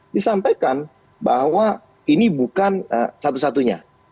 disampaikan bahwa ini bukan satu satunya